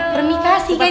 permisi kasih kan